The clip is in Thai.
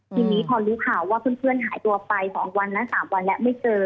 ทีนี้พอรู้ข่าวว่าเพื่อนหายตัวไป๒วันและ๓วันแล้วไม่เจอ